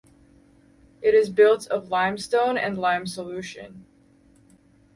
It is built of limestone and lime solution.